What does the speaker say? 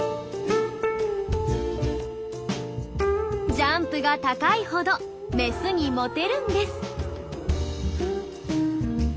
ジャンプが高いほどメスにモテるんです。